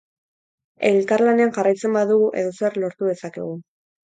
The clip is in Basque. Elkarlanean jarraitzen badugu edozer lortu dezakegu.